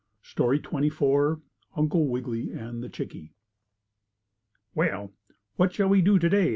STORY XXIV UNCLE WIGGILY AND THE CHICKIE "Well, what shall we do to day?"